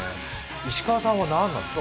石川さんは何なんですか？